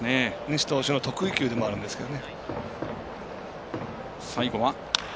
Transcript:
西投手の得意球でもあるんですけど。